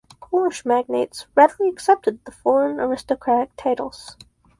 Polish "magnates" readily accepted the foreign aristocratic titles.